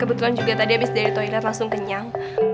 kebetulan juga tadi abis dari toilet langsung kenyang